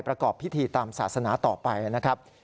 ประกอบพิธีตามศาสนาต่อไปนะครับ